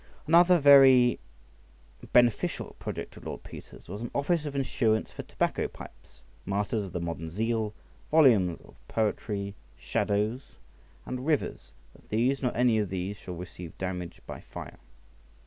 Another very beneficial project of Lord Peter's was an office of insurance for tobacco pipes, martyrs of the modern zeal, volumes of poetry, shadows ... and rivers, that these, nor any of these, shall receive damage by fire.